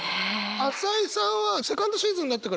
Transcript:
朝井さんはセカンドシーズンになってからはまだ？